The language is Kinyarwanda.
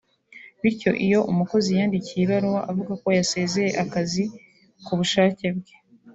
bityo iyo umukozi yiyandikiye ibaruwa avuga ko yasezeye akazi ku bushake bwe